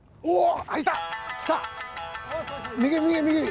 お！